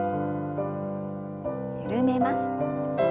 緩めます。